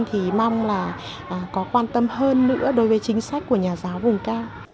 thì mong là có quan tâm hơn nữa đối với chính sách của nhà giáo vùng cao